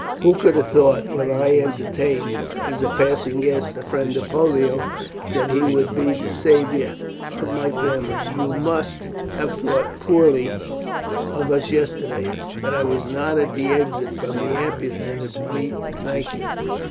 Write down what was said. Who could have thought, when I entertained, as a passing guest, the friend of Pollio, that he would be the saviour of my family? You must have thought poorly of us yesterday that I was not at the exit from the amphitheatre to meet and thank you.